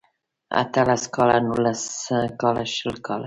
اته لس کاله نولس کاله شل کاله